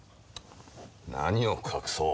何を隠そう。